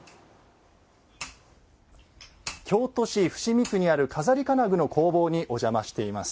京都市伏見区にある錺金具の工房にお邪魔しています。